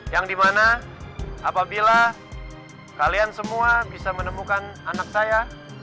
yang dimana apabila kalian semua bisa menemukan anak saya